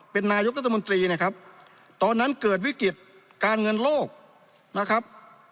เป็นนายกรัฐมนตรีนะครับตอนนั้นเกิดวิกฤติการเงินโลกนะครับ